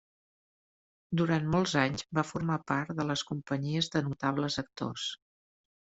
Durant molts anys va formar part de les companyies de notables actors.